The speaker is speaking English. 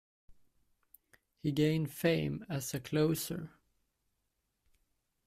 He gained fame as a closer.